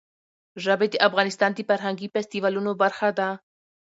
ژبې د افغانستان د فرهنګي فستیوالونو برخه ده.